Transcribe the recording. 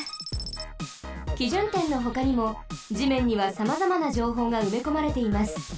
基準点のほかにも地面にはさまざまなじょうほうがうめこまれています。